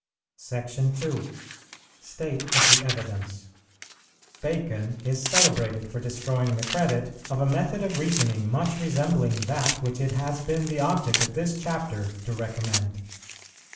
SECTION II. STATE OF THE EVIDENCE. Bacon is celebrated for destroying the credit of a method of reasoning much resembling that which it has been the object of this Chapter to recommend.